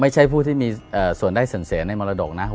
ไม่ใช่ผู้ที่มีส่วนได้เสนอเสียในมรดกนะครับ